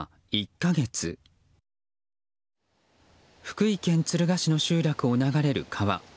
福井県敦賀市の集落を流れる川。